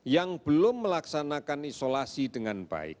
yang belum melaksanakan isolasi dengan baik